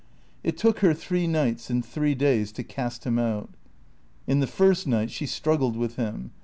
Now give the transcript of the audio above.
It took her three nights and three days to cast him out. In the first night she struggled with him.